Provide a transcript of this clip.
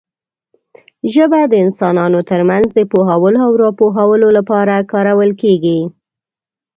ژبه د انسانانو ترمنځ د پوهولو او راپوهولو لپاره کارول کېږي.